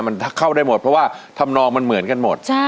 มันเข้าได้หมดเพราะว่าทำนองมันเหมือนกันหมด